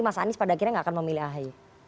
mas anies pada akhirnya gak akan memilih ahai